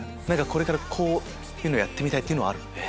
これからこういうのやってみたいってのはある？